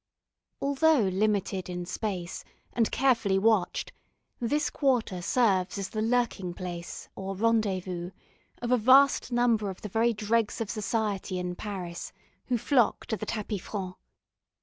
Although limited in space, and carefully watched, this quarter serves as the lurking place, or rendezvous, of a vast number of the very dregs of society in Paris, who flock to the tapis franc.